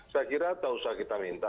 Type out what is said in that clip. saya kira tidak usah kita minta